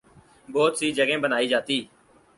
بہت سی جگہیں بنائی جاتی